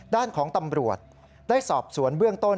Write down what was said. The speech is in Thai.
ด้านของตำรวจได้สอบสวนเบื้องต้น